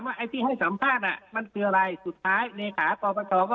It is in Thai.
ว่าไอ้ที่ให้สัมภาษณ์มันคืออะไรสุดท้ายเนคาต่อไปต่อก็